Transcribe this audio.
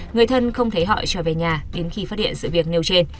người thân không thấy họ trở về nhà đến khi phát hiện sự việc nêu trên